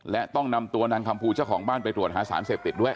และต้องนำตัวนางคำภูเจ้าของบ้านไปตรวจหาสารเสพติดด้วย